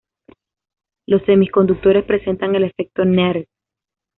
Los semiconductores presentan el efecto Nernst.